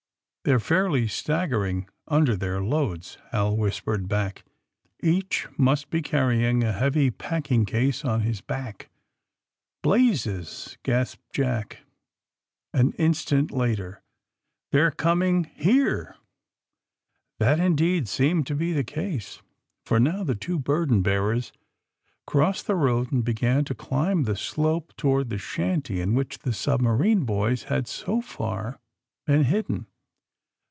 * ^They're fairly staggering under their loads," Hal whisi:)ered back, ^^Each must be carrying a heavy packing case on his back." '^Blazes!" gasped Jack, an instant later. They 're coming — here.f That, indeed, seemed to be the case, for now the two burden bearers crossed the road and began to climb the slope toward the shanty in which the submarine boys had so far been hid den.